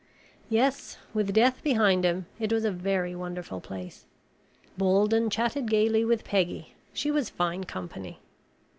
Yes, with death behind him, it was a very wonderful place. Bolden chatted gaily with Peggy. She was fine company.